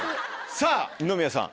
さぁ二宮さん。